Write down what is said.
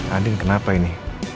andin kenapa ini